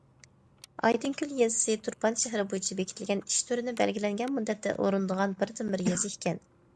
ئايدىڭكۆل يېزىسى تۇرپان شەھىرى بويىچە بېكىتىلگەن ئىش تۈرىنى بەلگىلەنگەن مۇددەتتە ئورۇندىغان بىردىنبىر يېزا ئىكەن.